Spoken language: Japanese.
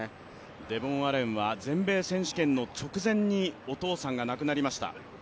デボン・アレンは全米選手権の直前にお父さんが亡くなりました。